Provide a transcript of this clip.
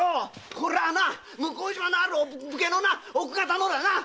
これは向島のあるお武家の奥方のだな。